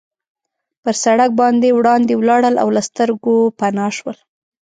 پر سړک باندې وړاندې ولاړل او له سترګو پناه شول.